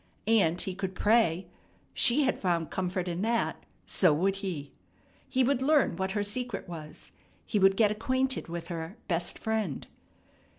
And he could pray. She had found comfort in that; so would he. He would learn what her secret was. He would get acquainted with her "best Friend."